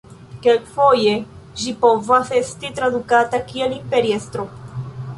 Kelkfoje ĝi povas esti tradukata kiel imperiestro.